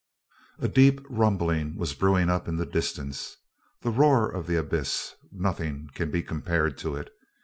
A deep rumbling was brewing up in the distance. The roar of the abyss, nothing can be compared to it.